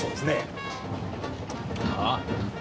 ああ。